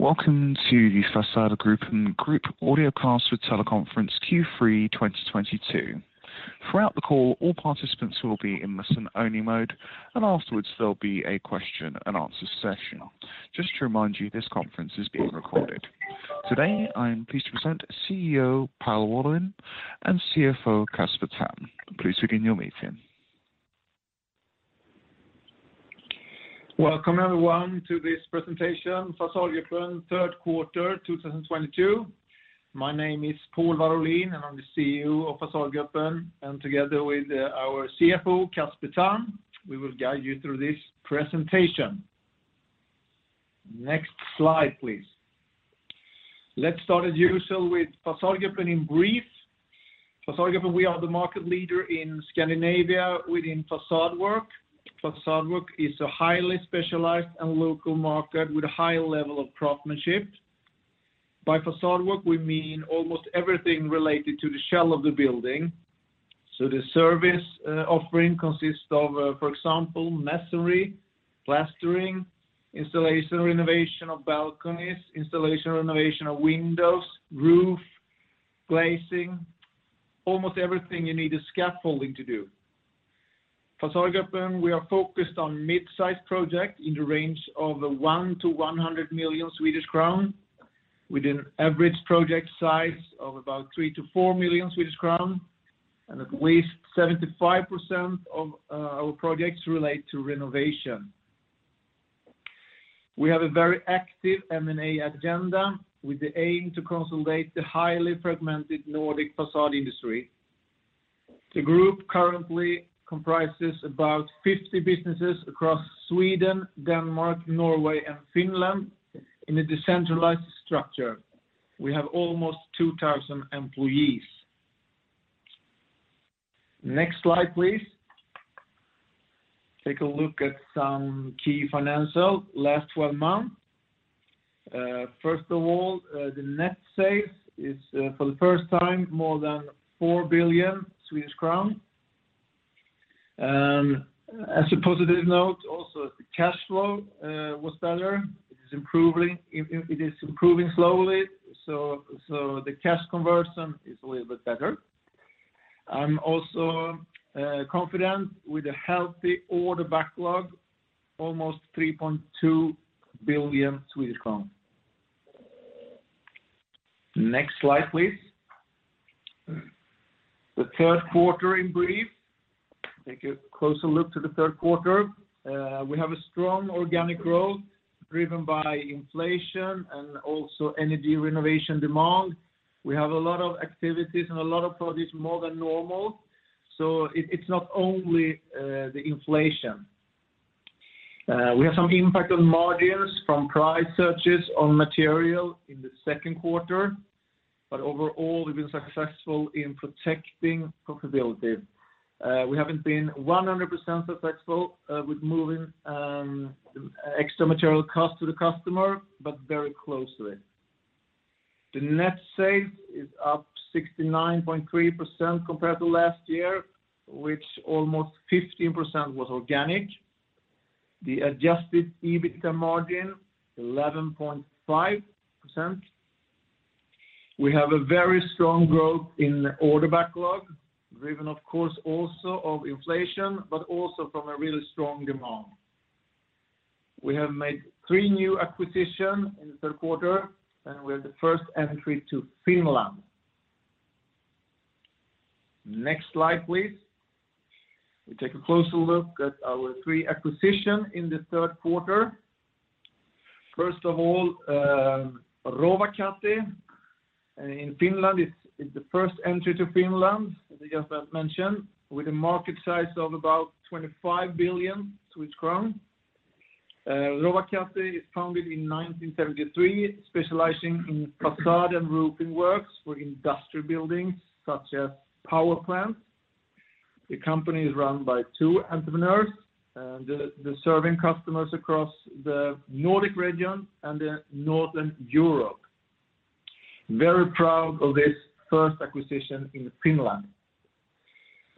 Welcome to the Fasadgruppen Group Audiocast with Teleconference Q3 2022. Throughout the call, all participants will be in listen-only mode, and afterwards, there'll be a question and answer session. Just to remind you, this conference is being recorded. Today, I am pleased to present CEO Pål Warolin and CFO Casper Tamm. Please begin your meeting. Welcome, everyone, to this presentation, Fasadgruppen Group third quarter 2022. My name is Pål Warolin, and I'm the CEO of Fasadgruppen Group. Together with our CFO, Casper Tamm, we will guide you through this presentation. Next slide, please. Let's start as usual with Fasadgruppen Group in brief. Fasadgruppen Group, we are the market leader in Scandinavia within façade work. Façade work is a highly specialized and local market with a high level of craftsmanship. By façade work, we mean almost everything related to the shell of the building. The service offering consists of, for example, masonry, plastering, installation or renovation of balconies, installation or renovation of windows, roof, glazing, almost everything you need a scaffolding to do. Fasadgruppen Group, we are focused on midsize project in the range of 1 million-100 million Swedish crown, with an average project size of about 3 million-4 million Swedish crown, And at least 75% of our projects relate to renovation. We have a very active M&A agenda with the aim to consolidate the highly fragmented Nordic façade industry. The group currently comprises about 50 businesses across Sweden, Denmark, Norway, and Finland in a decentralized structure. We have almost 2,000 employees. Next slide, please. Take a look at some key financial last twelve months. First of all, the net sales is, for the first time, more than 4 billion Swedish crown. As a positive note, also, the cash flow was better. It is improving. It is improving slowly, so the cash conversion is a little bit better. I'm also confident with a healthy order backlog, almost SEK 3.2 billion. Next slide, please. The third quarter in brief. Take a closer look at the third quarter. We have a strong organic growth driven by inflation and also energy renovation demand. We have a lot of activities and a lot of products more than normal. It's not only the inflation. We have some impact on margins from price increases on material in the second quarter, but overall, we've been successful in protecting profitability. We haven't been 100% successful with moving extra material cost to the customer, but very close to it. The net sales is up 69.3% compared to last year, which almost 15% was organic. The adjusted EBITDA margin 11.5%. We have a very strong growth in order backlog, driven, of course, also of inflation, but also from a really strong demand. We have made 3 new acquisition in the third quarter, and we're the first entry to Finland. Next slide, please. We take a closer look at our 3 acquisition in the third quarter. First of all, Rovakate in Finland is the first entry to Finland, as Casper mentioned, with a market size of about 25 billion crown. Rovakate is founded in 1973, specializing in façade and roofing works for industry buildings, such as power plants. The company is run by two entrepreneurs and they're serving customers across the Nordic region and the Northern Europe. Very proud of this first acquisition in Finland.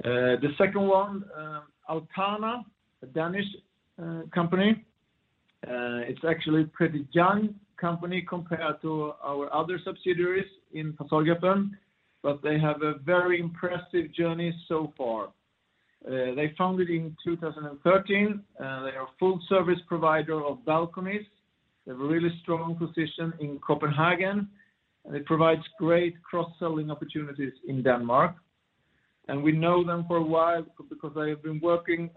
The second one, Altana, a Danish company. It's actually a pretty young company compared to our other subsidiaries in Fasadgruppen Group, but they have a very impressive journey so far. They founded in 2013. They are full service provider of balconies. They have a really strong position in Copenhagen, and it provides great cross-selling opportunities in Denmark. We know them for a while because they have been working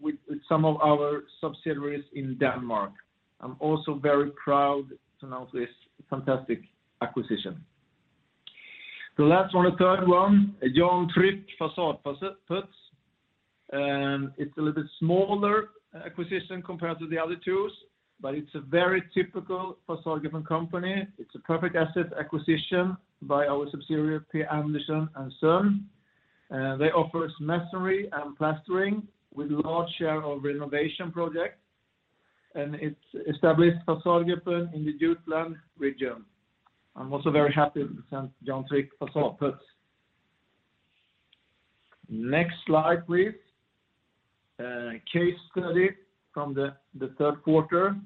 with some of our subsidiaries in Denmark. I'm also very proud to announce this fantastic acquisition. The last one, the third one, Jan Tryk Facadepuds, and it's a little bit smaller acquisition compared to the other two, but it's a very typical Fasadgruppen Group company. It's a perfect asset acquisition by our subsidiary, P. Andersen & Søn. They offer us masonry and plastering with large share of renovation projects, and it's established Fasadgruppen Group in the Jutland region. I'm also very happy to present Jan Tryk Facadepuds. Next slide, please. Case study from the third quarter,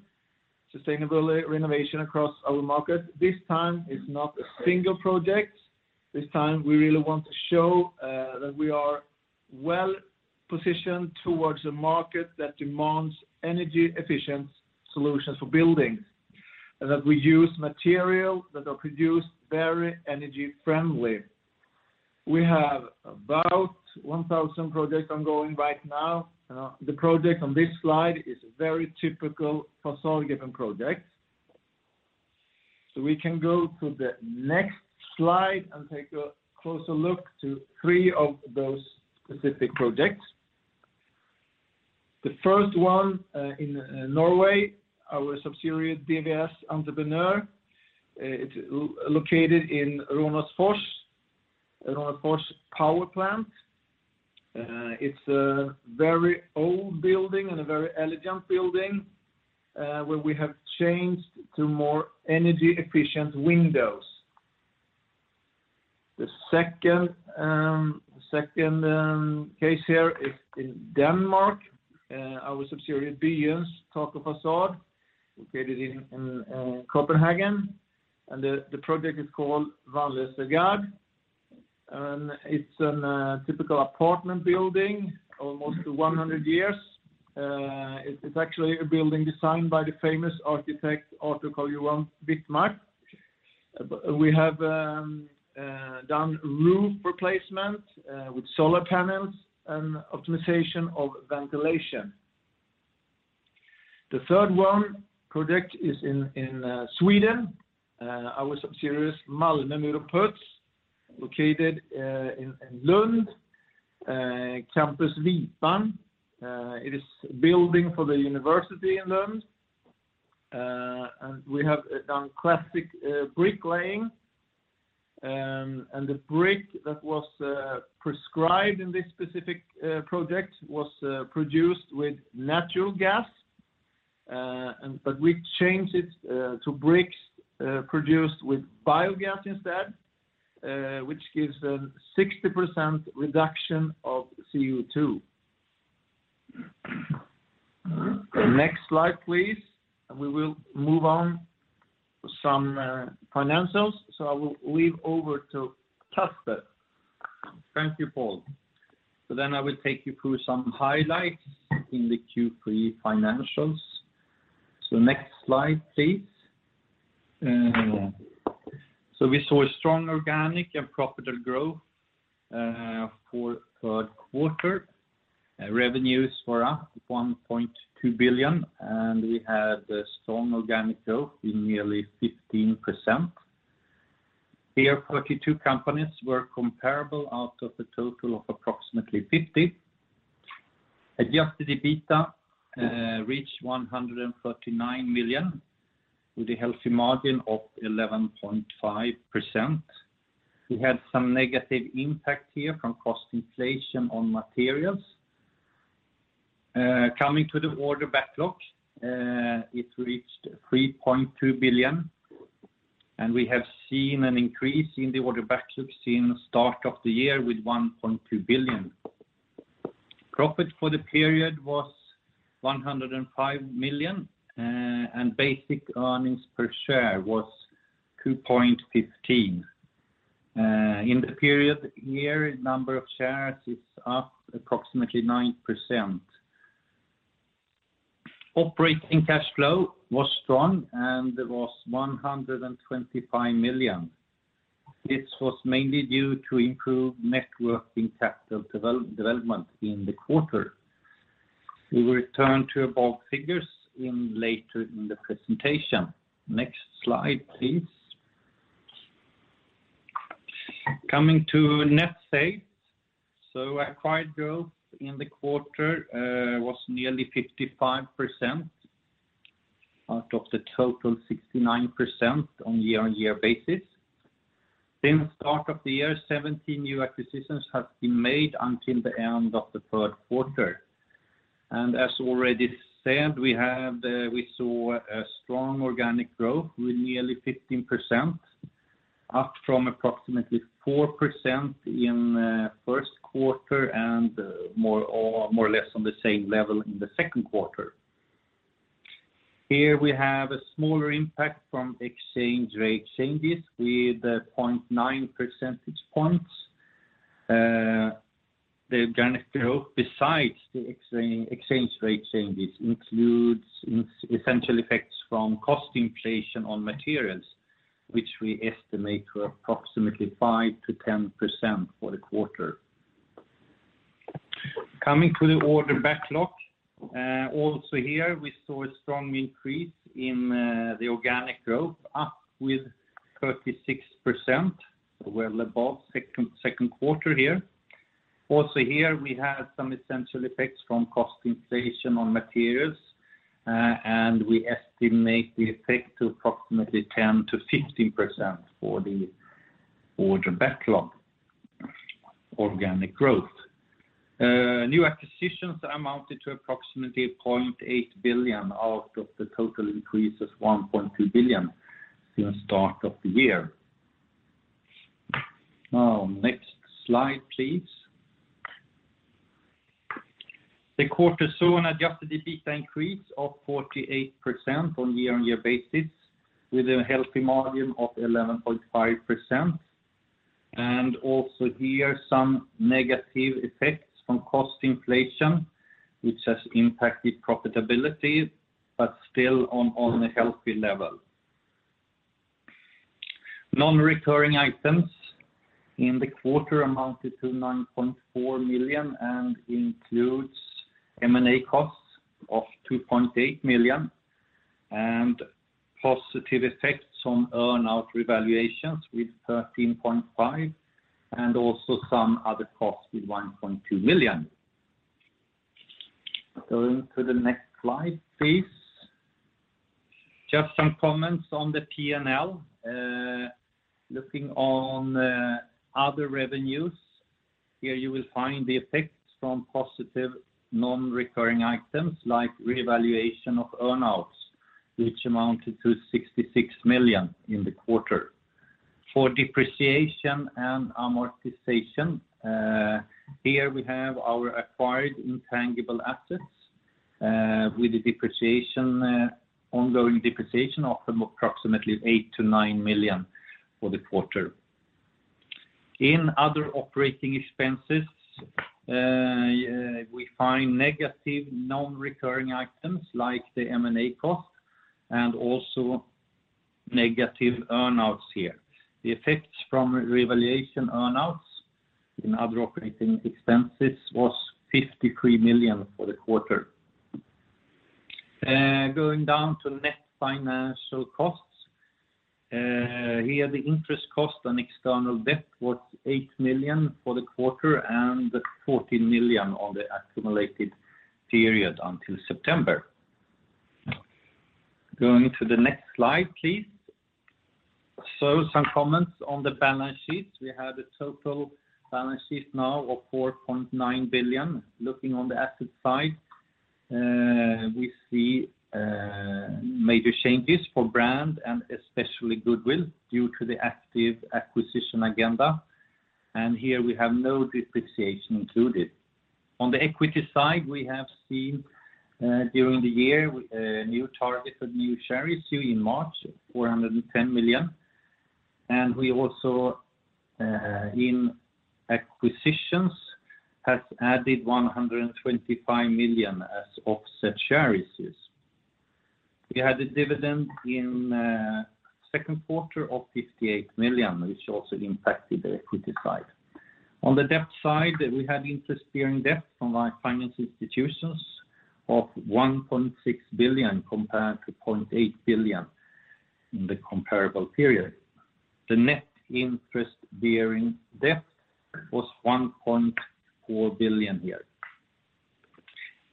sustainable renovation across our market. This time it's not a single project. This time we really want to show that we are well-positioned towards a market that demands energy efficient solutions for buildings, and that we use material that are produced very energy friendly. We have about 1,000 projects ongoing right now. The project on this slide is very typical Fasadgruppen project. We can go to the next slide and take a closer look to three of those specific projects. The first one in Norway, our subsidiary DVS Entreprenør. It's located in Raufoss power plant. It's a very old building and a very elegant building where we have changed to more energy efficient windows. The second case here is in Denmark. Our subsidiary Byens Tag & Facade, located in Copenhagen, and the project is called Vanløsegaard. It's a typical apartment building, almost 100 years. It's actually a building designed by the famous architect, Arthur Carl Johan Wittmaack. We have done roof replacement with solar panels and optimization of ventilation. The third project is in Sweden. Our subsidiary is Malmö Mur & Puts, located in Lund, Campus Vipan. It is a building for the university in Lund. We have done classic bricklaying, and the brick that was prescribed in this specific project was produced with natural gas. We changed it to bricks produced with biogas instead, which gives a 60% reduction of CO2. Next slide, please. We will move on to some financials. I will hand over to Casper. Thank you, Pål. I will take you through some highlights in the Q3 financials. Next slide, please. We saw a strong organic and profitable growth for third quarter. Revenues were up 1.2 billion, and we had a strong organic growth in nearly 15%. Here, 42 companies were comparable out of a total of approximately 50. Adjusted EBITDA reached 139 million, with a healthy margin of 11.5%. We had some negative impact here from cost inflation on materials. Coming to the order backlog, it reached 3.2 billion, and we have seen an increase in the order backlogs since start of the year with 1.2 billion. Profit for the period was 105 million, and basic earnings per share was 2.15. In the period year, number of shares is up approximately 9%. Operating cash flow was strong and was 125 million. This was mainly due to improved net working capital development in the quarter. We will return to above figures later in the presentation. Next slide, please. Coming to net sales. Acquired growth in the quarter was nearly 55% out of the total 69% on year-on-year basis. Since start of the year, 17 new acquisitions have been made until the end of the third quarter. As already said, we saw a strong organic growth with nearly 15%, up from approximately 4% in first quarter and more or less on the same level in the second quarter. Here we have a smaller impact from exchange rate changes with 0.9 percentage points. The organic growth besides the exchange rate changes includes essential effects from cost inflation on materials, which we estimate to approximately 5%-10% for the quarter. Coming to the order backlog, also here, we saw a strong increase in the organic growth, up 36%. We're above second quarter here. Also here, we have some essential effects from cost inflation on materials, and we estimate the effect to approximately 10%-15% for the order backlog organic growth. New acquisitions amounted to approximately 0.8 billion out of the total increase of 1.2 billion since start of the year. Now next slide, please. The quarter saw an adjusted EBITDA increase of 48% on year-on-year basis with a healthy margin of 11.5%. Also here some negative effects from cost inflation, which has impacted profitability, but still on a healthy level. Non-recurring items in the quarter amounted to 9.4 million and includes M&A costs of 2.8 million and positive effects on earnout revaluations with 13.5 million, and also some other costs with 1.2 million. Going to the next slide, please. Just some comments on the P&L. Looking on other revenues, here you will find the effects from positive non-recurring items like revaluation of earnouts, which amounted to 66 million in the quarter. For depreciation and amortization, here we have our acquired intangible assets, with the depreciation, ongoing depreciation of approximately 8 million-9 million for the quarter. In other operating expenses, we find negative non-recurring items like the M&A cost and also negative earnouts here. The effects from revaluation earnouts in other operating expenses was 53 million for the quarter. Going down to net financial costs, here the interest cost on external debt was 8 million for the quarter and 14 million on the accumulated period until September. Going to the next slide, please. Some comments on the balance sheet. We have a total balance sheet now of 4.9 billion. Looking on the asset side, we see major changes for brand and especially goodwill due to the active acquisition agenda. Here we have no depreciation included. On the equity side, we have seen during the year new target for new shares in March, SEK 410 million. We also in acquisitions has added 125 million as offset shares. We had a dividend in second quarter of 58 million, which also impacted the equity side. On the debt side, we had interest bearing debt from our finance institutions of 1.6 billion compared to 0.8 billion in the comparable period. The net interest bearing debt was 1.4 billion here,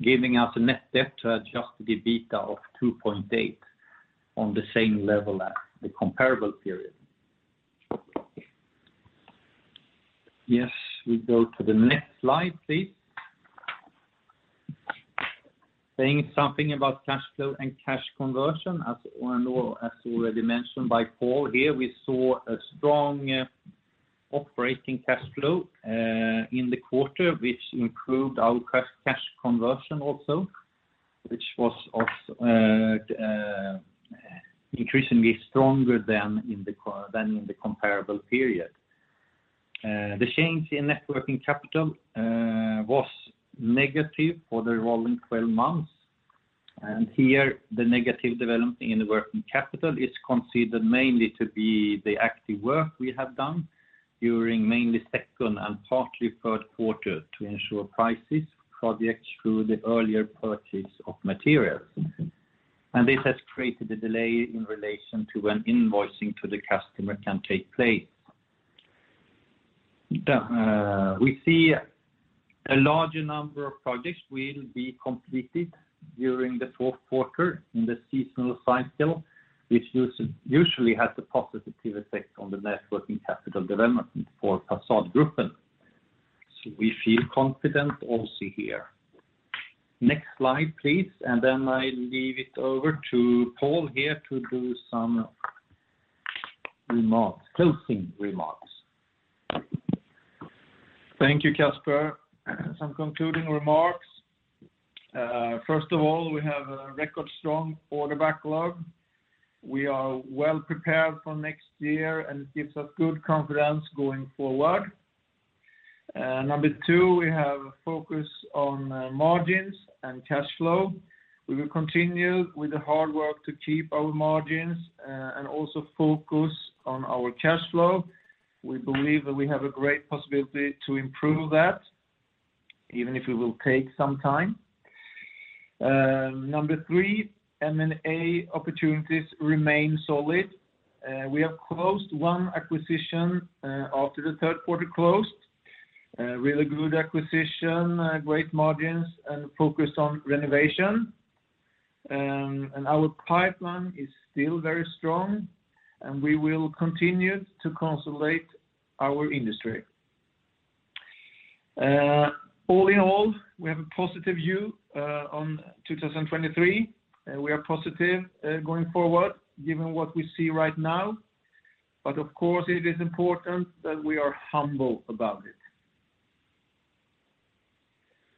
giving us a net debt to adjusted EBITDA of 2.8 on the same level as the comparable period. Yes, we go to the next slide, please. Saying something about cash flow and cash conversion, as already mentioned by Pål here, we saw a strong operating cash flow in the quarter, which improved our cash conversion also, which was increasingly stronger than in the comparable period. The change in net working capital was negative for the rolling twelve months. Here the negative development in the working capital is considered mainly to be the active work we have done during mainly second and partly third quarter to ensure prices for the extra earlier purchase of materials. This has created a delay in relation to when invoicing to the customer can take place. The, we see a larger number of projects will be completed during the fourth quarter in the seasonal cycle, which usually has a positive effect on the net working capital development for Fasadgruppen. We feel confident also here. Next slide, please, and then I leave it over to Pål here to do some remarks, closing remarks. Thank you, Casper. Some concluding remarks. First of all, we have a record strong order backlog. We are well prepared for next year, and it gives us good confidence going forward. Number two, we have a focus on margins and cash flow. We will continue with the hard work to keep our margins, and also focus on our cash flow. We believe that we have a great possibility to improve that, even if it will take some time. Number three, M&A opportunities remain solid. We have closed one acquisition after the third quarter closed. Really good acquisition, great margins and focus on renovation. And our pipeline is still very strong, and we will continue to consolidate our industry. All in all, we have a positive view on 2023, and we are positive going forward given what we see right now. Of course, it is important that we are humble about it.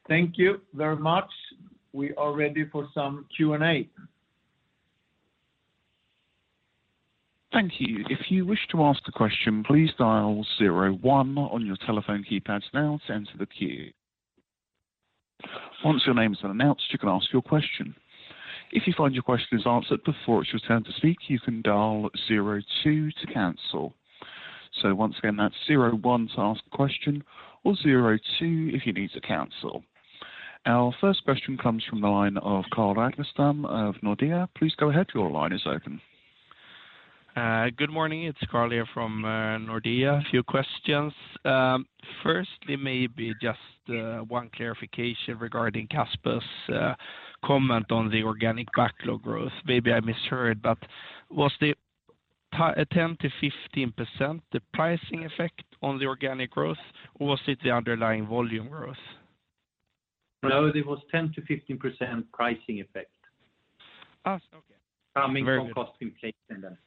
Thank you very much. We are ready for some Q&A. Thank you. If you wish to ask the question, please dial zero-one on your telephone keypads now to enter the queue. Once your name is announced, you can ask your question. If you find your question is answered before it's your turn to speak, you can dial zero-two to cancel. Once again, that's zero-one to ask a question or zero-two if you need to cancel. Our first question comes from the line of Carl Ragnerstam of Nordea. Please go ahead, your line is open. Good morning, it's Carl here from Nordea. A few questions. Firstly, maybe just one clarification regarding Casper's comment on the organic backlog growth. Maybe I misheard, but was the 10%-15% the pricing effect on the organic growth, or was it the underlying volume growth? No, it was 10%-15% pricing effect. Okay. Very good. Coming from cost inflation then.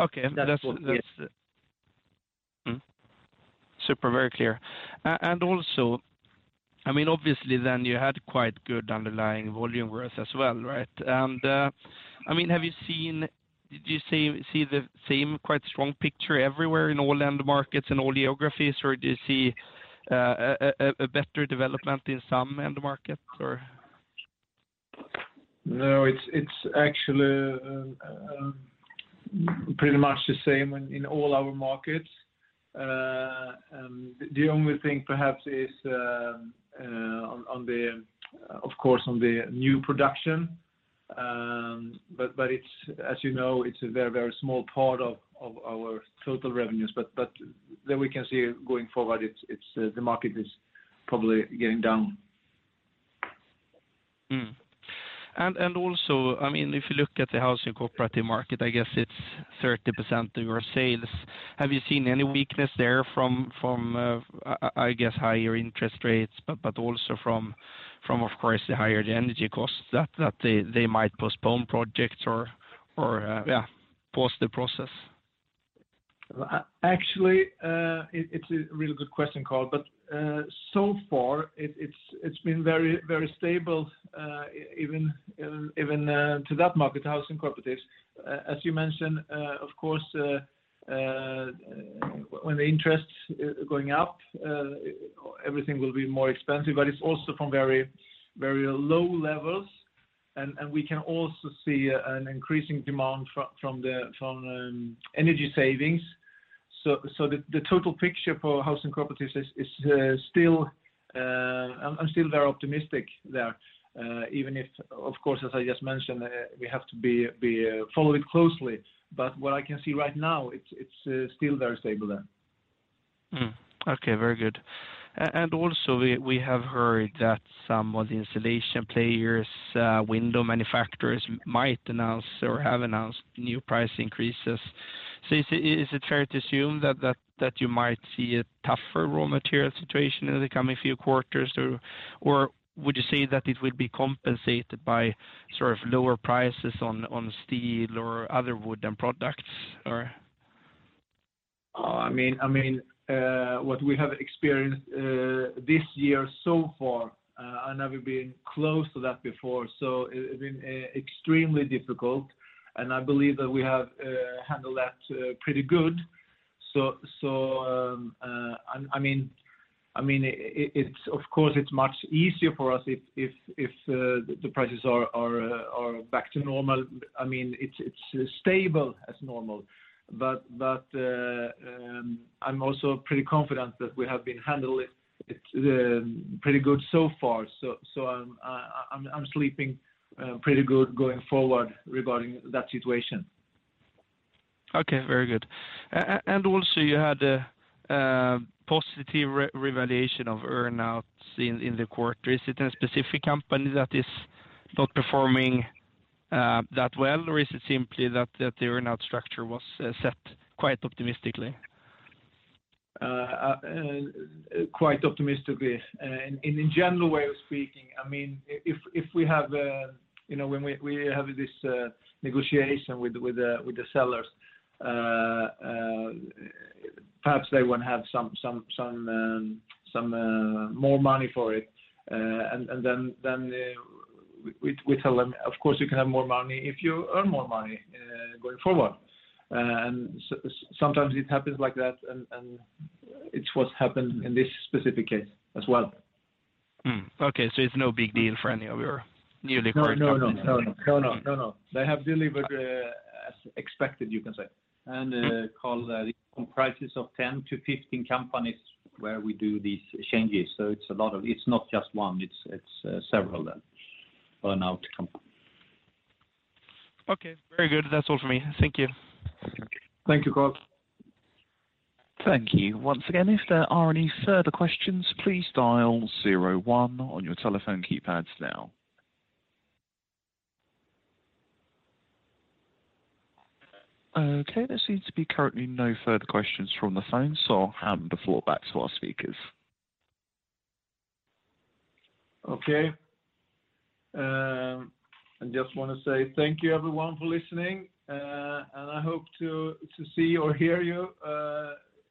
Okay. That was, yes. That's. Super. Very clear. Also, I mean, obviously then you had quite good underlying volume growth as well, right? I mean, did you see the same quite strong picture everywhere in all end markets and all geographies? Do you see a better development in some end market or? No, it's actually pretty much the same in all our markets. The only thing perhaps is, of course, on the new production, but it's, as you know, it's a very small part of our total revenues. Then we can see going forward, it's the market is probably getting down. Also, I mean, if you look at the housing cooperative market, I guess it's 30% of your sales. Have you seen any weakness there from higher interest rates, but also from, of course, the higher energy costs that they might postpone projects or pause the process? Actually, it's a really good question, Carl, but so far it's been very stable, even to that market, housing cooperatives. As you mentioned, of course, when the interest is going up, everything will be more expensive, but it's also from very low levels. We can also see an increasing demand for energy savings. The total picture for housing cooperatives is still. I'm still very optimistic there. Even if, of course, as I just mentioned, we have to follow it closely. What I can see right now, it's still very stable there. Okay, very good. And also we have heard that some of the installation players, window manufacturers might announce or have announced new price increases. Is it fair to assume that you might see a tougher raw material situation in the coming few quarters? Or would you say that it will be compensated by sort of lower prices on steel or other wooden products, or? I mean, what we have experienced this year so far, and have you been close to that before? It's been extremely difficult, and I believe that we have handled that pretty good. I mean, it's of course it's much easier for us if the prices are back to normal. I mean, it's stable as normal. I'm also pretty confident that we have been handling it pretty good so far. I'm sleeping pretty good going forward regarding that situation. Okay, very good. Also you had a positive revaluation of earnouts in the quarter. Is it a specific company that is not performing that well, or is it simply that the earnout structure was set quite optimistically? Quite optimistically. In a general way of speaking, I mean, if we have, you know, when we have this negotiation with the sellers, perhaps they would have some more money for it. Then we tell them, "Of course, you can have more money if you earn more money going forward." Sometimes it happens like that, and it's what's happened in this specific case as well. Okay. It's no big deal for any of your newly acquired companies. No, no. They have delivered as expected, you can say. Carl, it comprises of 10-15 companies where we do these changes. It's not just one, it's several earnout companies. Okay, very good. That's all for me. Thank you. Thank you, Carl. Thank you. Once again, if there are any further questions, please dial zero-one on your telephone keypads now. Okay, there seems to be currently no further questions from the phone, so I'll hand the floor back to our speakers. Okay. I just want to say thank you everyone for listening. I hope to see or hear you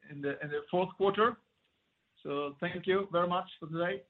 in the fourth quarter. Thank you very much for today.